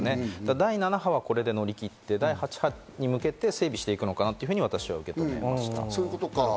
第７波はこれで乗り切って第８波に向けて整備していくのかなと私は受け止めました。